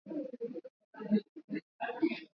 wafalme wa Nubia walikuwa Wakristo Mmisionari mkuu alikuwa